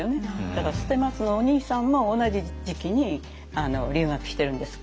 だから捨松のお兄さんも同じ時期に留学してるんです。